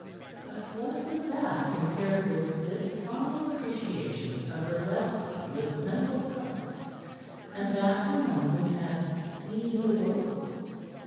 But what was that compared with this fine appreciation of her less obvious mental parts and that from one who had seen the world?